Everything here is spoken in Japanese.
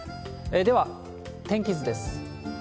では、天気図です。